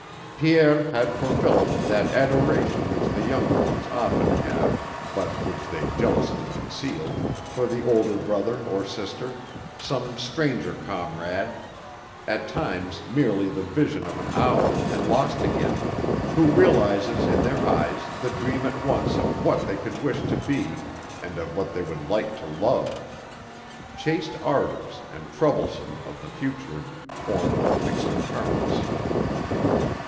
Pierre had for Philip that adoration which the younger ones often have (but which they jealously conceal) for the older brother or sister, some stranger comrade, at times merely the vision of an hour and lost again who realizes in their eyes the dream at once of what they could wish to be and of what they would like to love: chaste ardors and troublesome, of the future, formed of mixing currents.